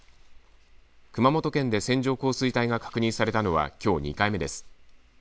熊本県で線状降水帯が確認されたのはきょう２回目です。